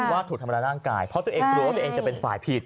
ว่าถูกทำร้ายร่างกายเพราะตัวเองกลัวว่าตัวเองจะเป็นฝ่ายผิด